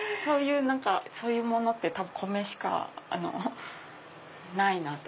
そういうものって多分米しかないなと。